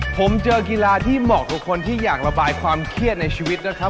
ผมเจอกีฬาที่เหมาะกับคนที่อยากระบายความเครียดในชีวิตนะครับ